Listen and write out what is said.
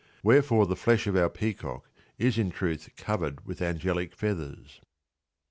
Wherefore the flesh of our peacock is in truth covered with angelic feathers.